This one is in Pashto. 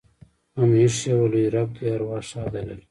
هم ایښي وه. لوى رب دې ارواح ښاده لري.